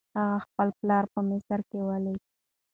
هغه خپل پلار په مصر کې ولید.